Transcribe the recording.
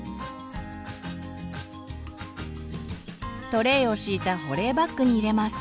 トレイを敷いた保冷バッグに入れます。